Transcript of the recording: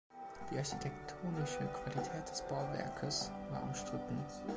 Die architektonische Qualität des Bauwerkes war umstritten.